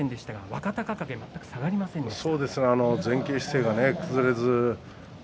若隆景は全く下がりませんでした。